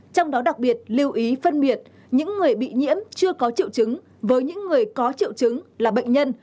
trong đó đặc biệt lưu ý phân biệt những người bị nhiễm chưa có triệu chứng với những người có triệu chứng là bệnh nhân